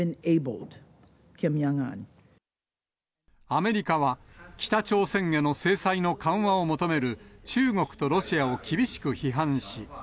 アメリカは北朝鮮への制裁の緩和を求める中国とロシアを厳しく批判し。